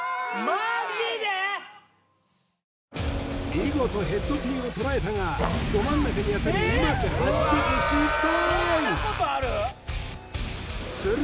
見事ヘッドピンをとらえたがど真ん中に当たりうまく弾けず失敗！